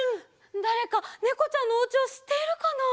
だれかねこちゃんのおうちをしっているかな？